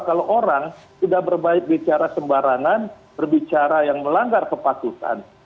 kalau orang sudah berbicara sembarangan berbicara yang melanggar kepatutan